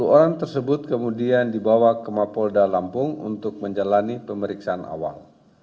sepuluh orang tersebut kemudian dibawa ke mapolda lampung untuk menjalani pemeriksaan awal